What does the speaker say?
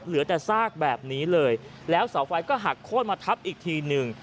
เหลือแต่ซากแบบนี้เลยแล้วเสาไฟก็หักโค้นมาทับอีกทีหนึ่ง